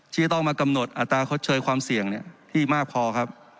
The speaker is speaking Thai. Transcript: ที่จะต้องมากำหนดอัตราชดเชยความเสี่ยงที่มากพอครับ